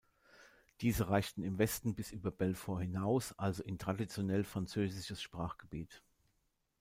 Diese reichten im Westen bis über Belfort hinaus, also in traditionell französisches Sprachgebiet.